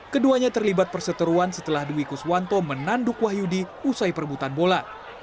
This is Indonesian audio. keduanya terlibat perseteruan setelah duikuswanto menanduk wahyudi usai perbutan bola